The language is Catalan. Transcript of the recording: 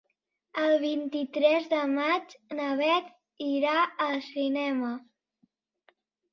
El vint-i-tres de maig na Bet irà al cinema.